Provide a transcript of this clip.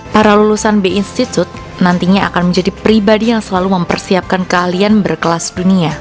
para lulusan b institute nantinya akan menjadi pribadi yang selalu mempersiapkan keahlian berkelas dunia